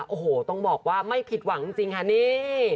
โอ้โหต้องบอกว่าไม่ผิดหวังจริงค่ะนี่